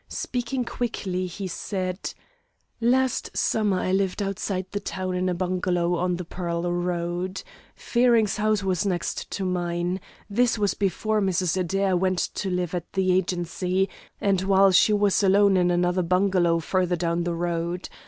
Speaking quickly, he said: "Last summer I lived outside the town in a bungalow on the Pearl Road. Fearing's house was next to mine. This was before Mrs. Adair went to live at the agency, and while she was alone in another bungalow farther down the road.